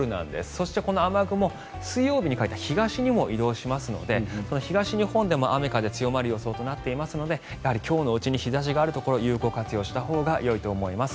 そして、この雨雲水曜日にかけて東にも移動しますので東日本でも雨風強まる予想となっていますので今日のうちに日差しがあるところ有効活用したほうがいいと思います。